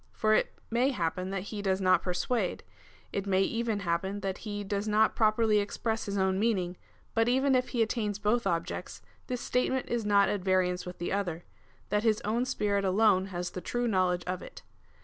For it may happen that he does not persuade : it may even happen that he does not properly express his own meaning ; but even if he attains both objects, this statement is not at variance with 112 COMMENTARY ON THE CHAP. II. 12. tlie other — that his own spirit alone has the true knowledge of it.